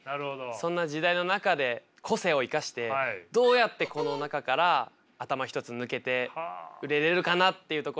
そんな時代の中で個性を生かしてどうやってこの中から頭一つ抜けて売れれるかなっていうところを必死にもがいてるんですけど